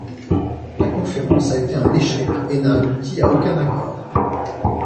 La conférence a été un échec et n'a abouti à aucun accord.